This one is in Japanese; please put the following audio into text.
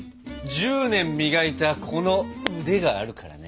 １０年磨いたこの腕があるからね。